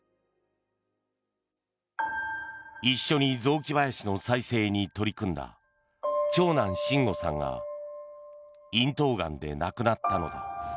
一緒に雑木林の再生に取り組んだ長男・真吾さんが咽頭がんで亡くなったのだ。